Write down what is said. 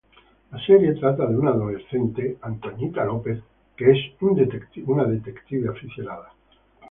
La serie trata de una adolescente, Nancy Drew, que es un detective aficionada.